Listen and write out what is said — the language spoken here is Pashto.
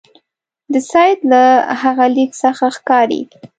د سید له هغه لیک څخه ښکاري.